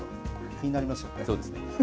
気になりますよね。